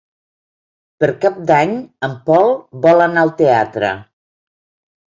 Per Cap d'Any en Pol vol anar al teatre.